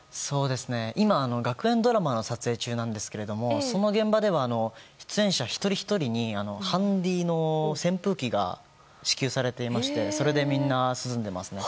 今、学園ドラマの撮影中なんですがその現場では出演者一人ひとりにハンディの扇風機が支給されていましてそれでみんな、涼んでいますね。